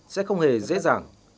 sẽ không hề dễ dàng